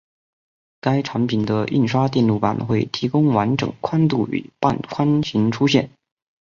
该产品的印刷电路板会提供完整宽度与半宽型出现。